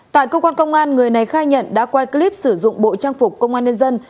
tại cơ quan công an người này khai nhận đã quay clip sử dụng bộ trang phục công an nhân dân